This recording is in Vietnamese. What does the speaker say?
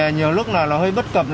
nhiều lúc là nó hơi bất cập